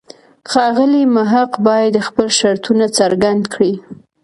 ښاغلی محق باید خپل شرطونه څرګند کړي.